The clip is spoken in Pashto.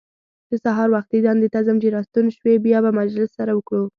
زه سهار وختي دندې ته ځم، چې راستون شوې بیا به مجلس سره وکړو.